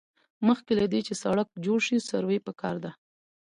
مخکې له دې چې سړک جوړ شي سروې پکار ده